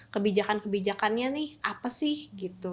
kebijakan kebijakannya nih apa sih gitu